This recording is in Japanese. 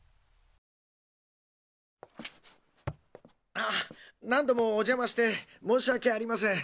ああ何度もお邪魔して申し訳ありません。